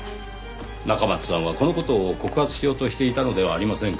中松さんはこの事を告発しようとしていたのではありませんかねぇ。